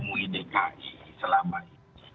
mui dki selama ini